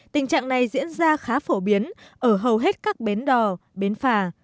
tình trạng này diễn ra khá phổ biến ở hầu hết các bến đò bến phà